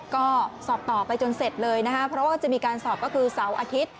ก็สอบต่อไปจนเสร็จเลยนะคะเพราะว่าจะมีการสอบก็คือเสาร์อาทิตย์